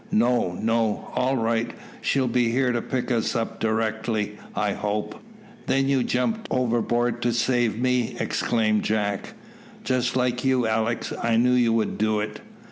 "No, no; all right; she'll be here to pick us up directly, I hope." "Then you jumped overboard to save me!" exclaimed Jack. "Just like you, Alick; I knew you would do it."